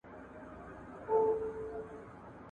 مفرور ناول ډیر مینه وال لري.